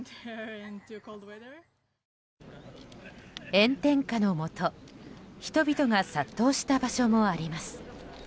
炎天下のもと人々が殺到した場所もあります。